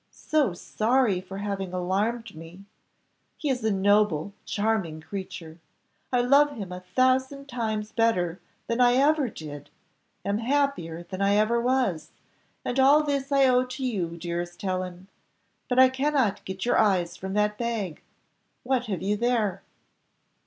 so sorry for having alarmed me! He is a noble, charming creature. I love him a thousand times better than I ever did, am happier than I ever was! and all this I owe to you, dearest Helen. But I cannot get your eyes from that bag, what have you there?"